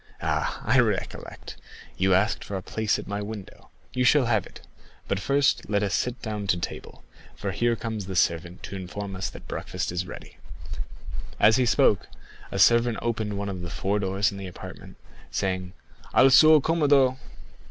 Ah, I recollect, you asked for a place at my window; you shall have it; but let us first sit down to table, for here comes the servant to inform us that breakfast is ready." As he spoke, a servant opened one of the four doors of the apartment, saying: "_Al suo commodo!